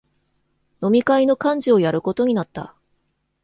飲み会の幹事をやることになった